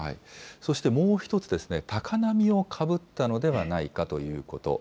そしてもう１つ、高波をかぶったのではないかということ。